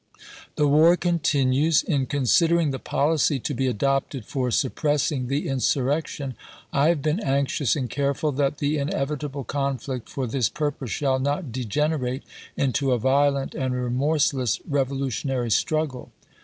.. The war continues. In considering the policy to be adopted for suppressing the insurrection, I have been anxious and careful that the inevitable conflict for this purpose shall not degenerate into a violent and remorse less revolutionary struggle.